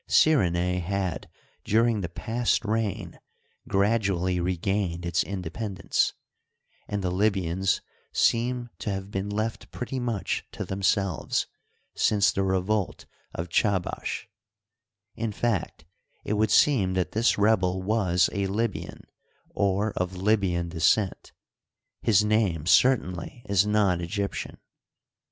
C)rrenae had during the past reign gradually regained its independence, and the Libyans seem to have been left pretty much to them selves since the revolt of Chabbash ; in fact, it would seem that this rebel was a Libyan or of Libyan descent. His name certainly is not Egyptian.